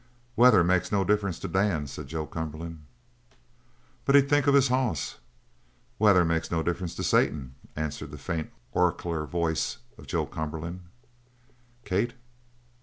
"Weather makes no difference to Dan," said Joe Cumberland. "But he'd think of his hoss " "Weather makes no difference to Satan," answered the faint, oracular voice of Joe Cumberland. "Kate!"